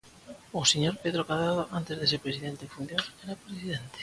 O señor Pedro Cadrado antes de ser presidente en funcións era presidente.